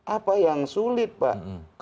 apa yang sulit pak